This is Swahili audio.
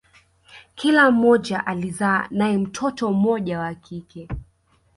Kila mmoja alizaa nae mtoto mmoja wa kike